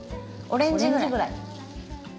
オレンジぐらい。